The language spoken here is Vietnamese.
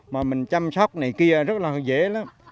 mà mình chăm sóc này kia rất là hơi dễ lắm